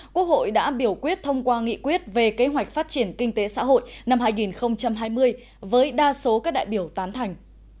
quốc hội đã biểu quyết thông qua nghị quyết về kế hoạch phát triển kinh tế xã hội năm hai nghìn hai mươi với đa số các đại biểu tán thành